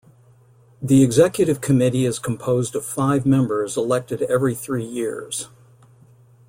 The executive committee is composed of five members elected every three years.